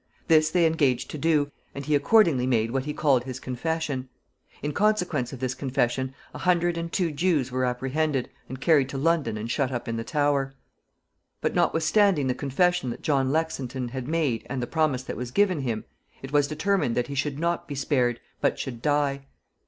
This they engaged to do, and he accordingly made what he called his confession. In consequence of this confession a hundred and two Jews were apprehended, and carried to London and shut up in the Tower. But, notwithstanding the confession that John Lexinton had made and the promise that was given him, it was determined that he should not be spared, but should die.